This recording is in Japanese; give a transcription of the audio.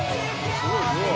すごいすごい！